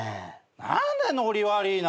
何だノリ悪いな。